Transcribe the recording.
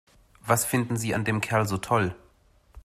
Was findet sie an dem Kerl so toll?